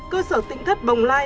cơ sở tỉnh thất bồng lai